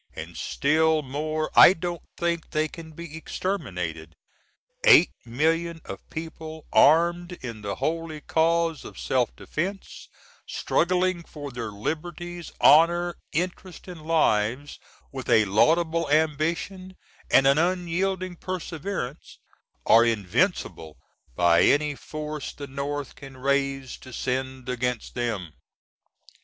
_" And still more I don't think they can be exterminated. 8,000,000 of people, armed in the holy cause of self defence; struggling for their liberties, honor, interests, & lives, with a laudable ambition, & an unyielding perseverance, are invincible by any force the North can raise to send against them.